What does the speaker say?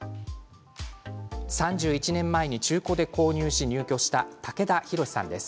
３１年前に中古で購入し入居した武田博志さんです。